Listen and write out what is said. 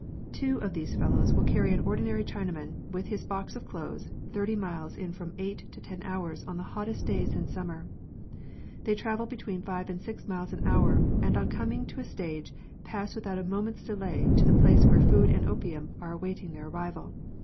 Two of these fellows will carry an ordinary Chinaman, with his box of clothes, thirty miles in from eight to ten hours on the hottest days in summer. They travel between five and six miles an hour, and on cominof to a stao^e, pass without a moment's delay to the place where food and opium are awaiting their arrival.